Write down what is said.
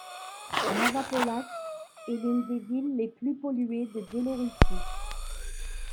Navapolatsk est l'une des villes les plus polluées de Biélorussie.